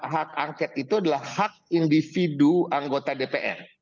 hak angket itu adalah hak individu anggota dpr